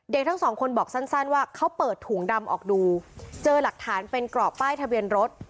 ทั้งสองคนบอกสั้นว่าเขาเปิดถุงดำออกดูเจอหลักฐานเป็นกรอบป้ายทะเบียนรถ